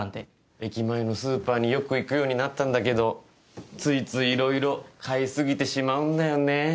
駅前のスーパーによく行くようになったんだけどついついいろいろ買い過ぎてしまうんだよねぇ。